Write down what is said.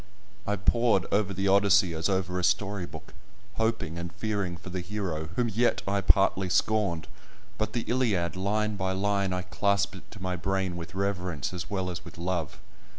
I pored over the Odyssey as over a story book, hoping and fearing for the hero whom yet I partly scorned. But the Iliad—line by line I clasped it to my brain with reverence as well as with love.